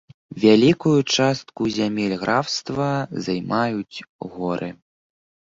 Вялікую частку зямель графства займаюць горы.